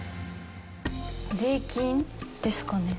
税金ですかね？